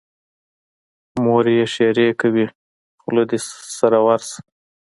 مور یې ښېرې کوي: خوله دې سره ورشه.